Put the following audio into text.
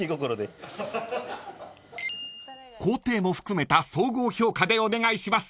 ［工程も含めた総合評価でお願いします］